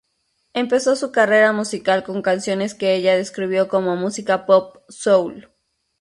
Empezó su carrera musical con canciones que ella describió como "música pop soul".